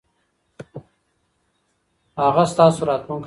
هغه ستاسو راتلونکی دی.